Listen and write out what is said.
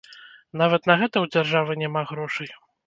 Нават на гэта ў дзяржавы няма грошай?